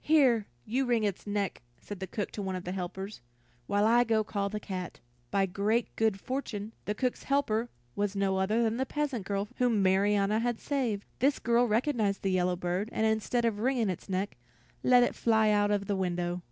"Here, you wring its neck," said the cook to one of her helpers, "while I go call the cat." By great good fortune, the cook's helper was no other than the peasant girl whom Marianna had saved. This girl recognized the yellow bird, and instead of wringing its neck, let it fly out of the window.